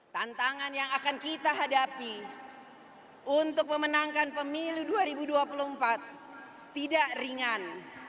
tantangan yang akan kita hadapi untuk memenangkan pemilu dua ribu dua puluh empat tidak ringan